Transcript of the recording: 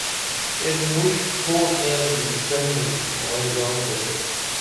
ایک مُݜٹھ پھو تہ ژوپسنی مائی زان درو